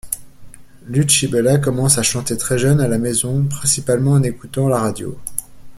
Lucibela commence à chanter très jeune, à la maison, principalement en écoutant la radio.